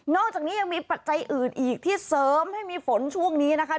อกจากนี้ยังมีปัจจัยอื่นอีกที่เสริมให้มีฝนช่วงนี้นะคะ